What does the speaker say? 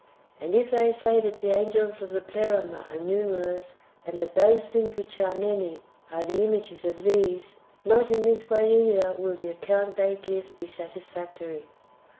And if they say that the angels of the Pleroma are numerous, and that those things which are many are the images of these — not in this way either will the account they give be satisfactory.